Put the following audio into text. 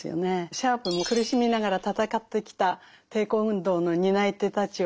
シャープも苦しみながら闘ってきた抵抗運動の担い手たちを称賛しています。